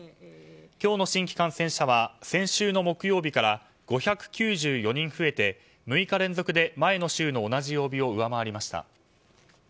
今日の新規感染者は先週の木曜日から５９４人増えて６日連続で前の週の同じ曜日上回りました。